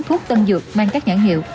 thuốc tân dược mang các nhãn hiệu